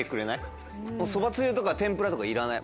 そばつゆとか天ぷらとかいらない